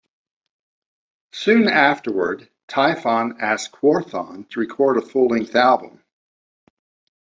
Soon afterward, Tyfon asked Quorthon to record a full-length album.